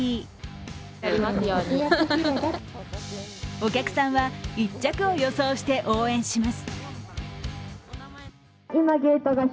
お客さんは１着を予想して応援します。